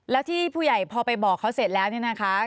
แล้วที่ผู้ใหญ่พอไปบอกเขาเสร็จแล้วเนี่ยนะคะ